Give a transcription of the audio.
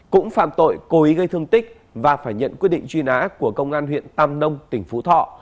cũng phạm tội cố ý gây thương tích và phải nhận quyết định truy nã của công an huyện tam nông tỉnh phú thọ